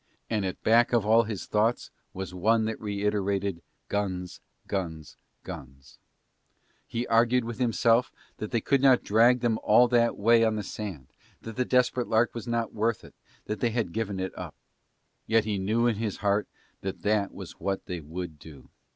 And at back of all his thoughts was one that reiterated guns, guns, guns. He argued with himself that they could not drag them all that way on the sand, that the Desperate Lark was not worth it, that they had given it up. Yet he knew in his heart that that was what they would do.